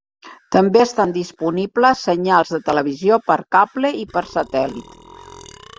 També estan disponibles senyals de televisió per cable i per satèl·lit.